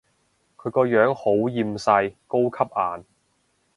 佢個樣好厭世，高級顏